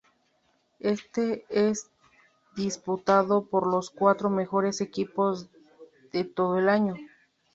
Éste es disputado por los cuatro mejores equipos de todo el año.